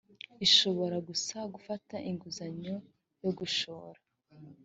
ishobora gusa gufata inguzanyo yo gushora